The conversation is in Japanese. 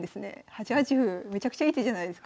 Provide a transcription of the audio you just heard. ８八歩めちゃくちゃいい手じゃないですか。